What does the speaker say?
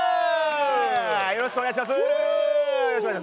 よろしくお願いします。